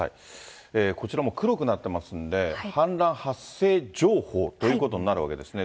こちらも黒くなってますんで、氾濫発生情報ということになるわけですね。